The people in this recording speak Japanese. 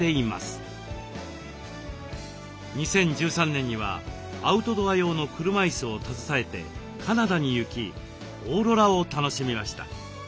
２０１３年にはアウトドア用の車いすを携えてカナダに行きオーロラを楽しみました。